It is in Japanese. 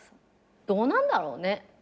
どうなんだろうね。